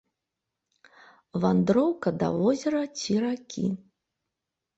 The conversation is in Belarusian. Вандроўка да возера ці ракі.